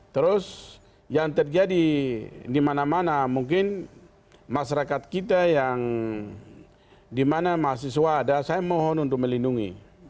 terus yang terjadi di mana mana mungkin masyarakat kita yang dimana mahasiswa ada saya mohon untuk melindungi